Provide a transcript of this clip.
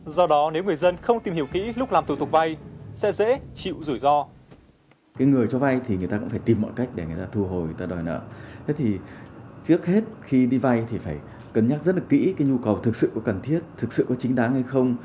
do đó nếu người dân không tìm hiểu kỹ lúc làm thủ tục vay sẽ dễ chịu rủi ro